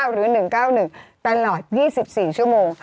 หรือ๑๙๑ตลอด๒๔ชั่วโมง